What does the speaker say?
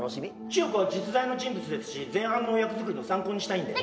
千代子は実在の人物ですし前半の役作りの参考にしたいんで。